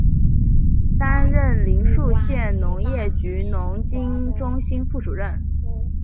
担任临沭县农业局农经中心副主任。